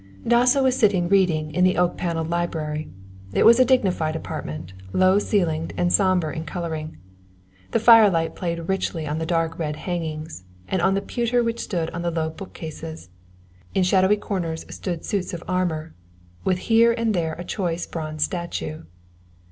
Dasso was sitting reading in the oak panelled library. It was a dignified apartment, low ceilinged and sombre in colouring. The firelight played richly on the dark red hangings and on the pewter which stood on the low bookcases. In shadowy corners stood suits of armour, with here and there a choice bronze statue.